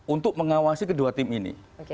untuk mengawasi kedua tim ini